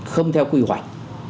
không theo quy hoạch